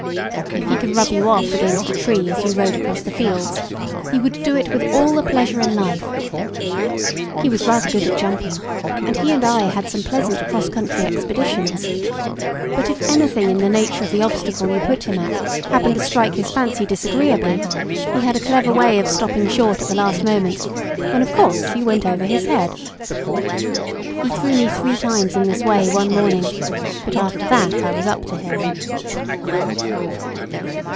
If he could rub you off against a tree as you rode across the fields, he would do it with all the pleasure in life. He was rather good at jumping, and he and I had some pleasant cross country expeditions; but if anything in the nature of the obstacle you put him at happened to strike his fancy disagreeably, he had a clever way of stopping short at the last moment, when, of course, you went over his head. He threw me three times in this way in one morning; but after that I was up to him.